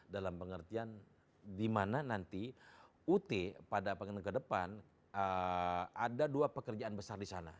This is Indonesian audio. dalam pengertian di mana nanti ut pada pengen ke depan ada dua pekerjaan besar di sana